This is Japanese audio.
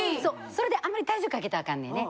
それであんまり体重かけたらアカンねんね。